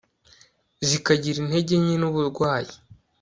zikagira intege nke nuburwayi